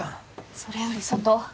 それより外！